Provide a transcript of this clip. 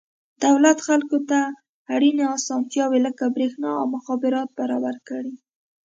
دولت خلکو ته اړینې اسانتیاوې لکه برېښنا او مخابرات برابر کړي.